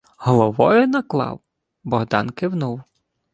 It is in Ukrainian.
— Головою наклав? Богдан кивнув: